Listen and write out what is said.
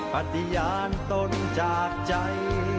ปฏิญาณตนจากใจ